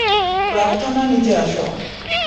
প্রার্থনা নিচে আসো।